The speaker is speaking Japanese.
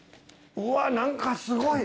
うわっ何かすごい。